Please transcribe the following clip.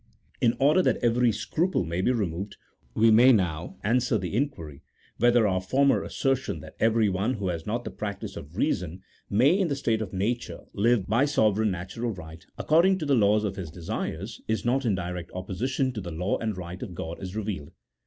In order that every scruple may be removed, we may now answer the inquiry, whether our former assertion that p 210 A THEOLOGICO POLITICAL TREATISE. [CHAP. XVI. everyone who has not the practice of reason, may, in the state of natnre, live by sovereign natural right, according to the laws of his desires, is not in direct opposition to the law and right of God as revealed.